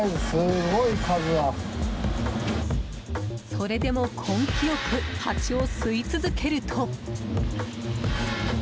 それでも、根気よくハチを吸い続けると。